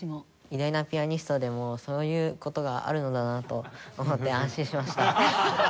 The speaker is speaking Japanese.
偉大なピアニストでもそういう事があるのだなと思って安心しました。